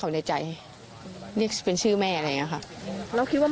ภาษากรรมสิงหิตภัย